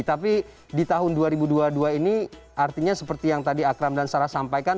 tapi di tahun dua ribu dua puluh dua ini artinya seperti yang tadi akram dan sarah sampaikan